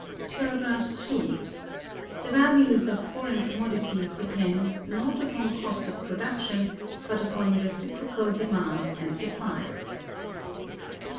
§ 2. The values of foreign commodities depend, not upon Cost of Production, but upon Reciprocal Demand and Supply.